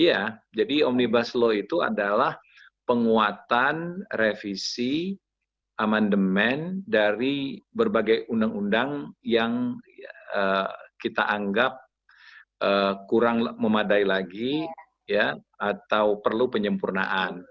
iya jadi omnibus law itu adalah penguatan revisi amandemen dari berbagai undang undang yang kita anggap kurang memadai lagi atau perlu penyempurnaan